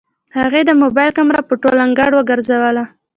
هغې د موبايل کمره په ټول انګړ وګرځوله.